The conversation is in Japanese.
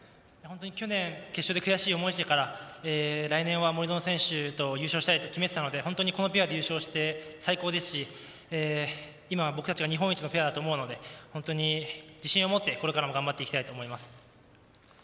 去年、決勝で悔しい思いをしてから来年は森薗選手と優勝したいと思っていたので本当にこのペアで優勝して最高ですし今、僕たちが日本一のペアだと思いますし本当に自信を持って、これからも頑張っていきたいと思います。